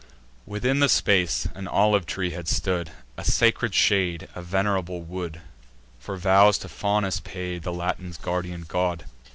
Within the space, an olive tree had stood, A sacred shade, a venerable wood, For vows to Faunus paid, the Latins' guardian god.